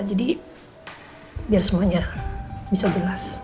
jadi biar semuanya bisa jelas